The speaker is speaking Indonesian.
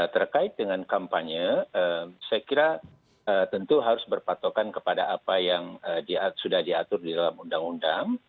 terkait dengan kampanye saya kira tentu harus berpatokan kepada apa yang sudah diatur di dalam undang undang